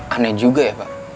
aneh juga ya pak